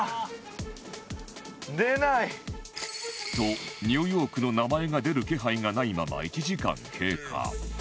とニューヨークの名前が出る気配がないまま１時間経過